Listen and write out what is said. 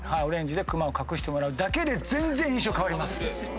クマ隠してもらうだけで全然印象変わります。